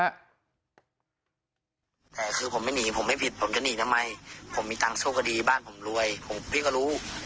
แต่คือผมไม่หนีผมไม่ผิดผมจะหนีทำไมผมมีตังค์สู้คดีบ้านผมรวยผมพี่ก็รู้